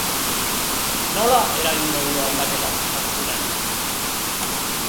Nola eragingo dio aldaketak fakturari?